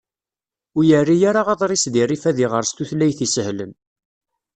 Ur yerri ara aḍris di rrif ad iɣer s tutlayt isehlen.